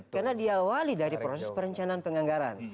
karena diawali dari proses perencanaan penganggaran